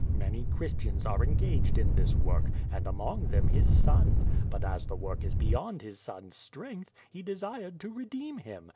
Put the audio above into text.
Many Christians arc engaged in this work, and among them his son; but as the work is beyond his son's strength, he desired to redeem him.